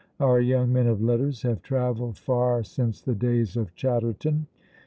Our young men of letters have travelled far since the days of Chatterton.